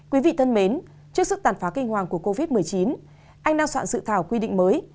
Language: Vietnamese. quý vị thân mến trước sức tàn phá kinh hoàng của covid một mươi chín anh đang soạn dự thảo quy định mới